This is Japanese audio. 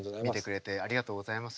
ありがとうございます。